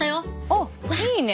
あっいいね。